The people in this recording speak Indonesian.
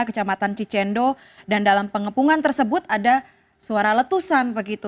kecamatan cicendo dan dalam pengepungan tersebut ada suara letusan begitu